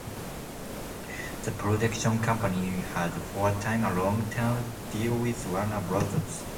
The production company had, for a time, a long-term deal with Warner Brothers.